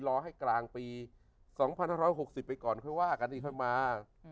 รอให้กลางปี๒๕๖๐ไปก่อนค่อยว่ากันอีกค่อยมา